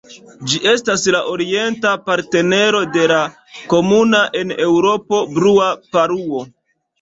Ĝi estas la orienta partnero de la komuna en Eŭropo Blua paruo.